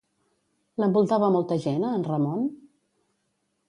L'envoltava molta gent a en Ramon?